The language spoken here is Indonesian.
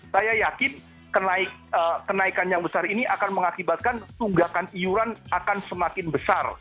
saya yakin kenaikan yang besar ini akan mengakibatkan tunggakan iuran akan semakin besar